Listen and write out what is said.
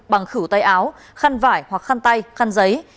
bằng khử tay áo khăn vải hoặc khăn tay khăn giấy